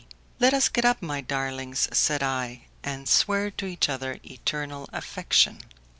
"Let us get up, my darlings," said I, "and swear to each other eternal affection."